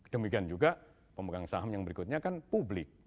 demikian juga pemegang saham yang berikutnya kan publik